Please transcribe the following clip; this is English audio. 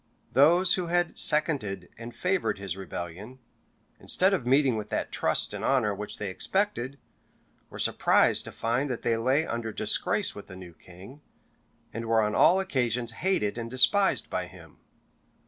Those who had seconded and favored his rebellion, instead of meeting with that trust and honor which they expected, were surprised to find that they lay under disgrace with the new king, and were on all occasions hated and despised by him.